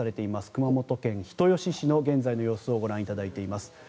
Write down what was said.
熊本県人吉市の現在の様子をご覧いただいています。